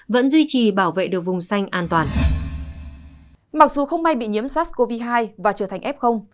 mặc dù không may bị nhiễm sars cov hai và trở thành f